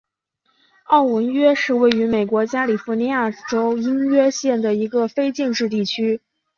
奥文约是位于美国加利福尼亚州因约县的一个非建制地区。